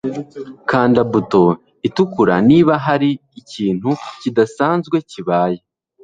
kanda buto itukura niba hari ikintu kidasanzwe kibaye